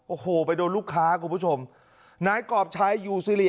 โอ้โหไปโดนลูกค้าครับคุณผู้ชมนายกรอบชายอยู่ซีรีย์